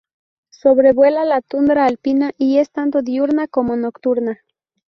Sobrevuela la tundra alpina y es tanto diurna como nocturna.